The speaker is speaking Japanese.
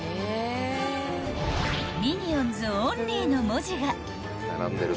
［ミニオンズオンリーの文字が］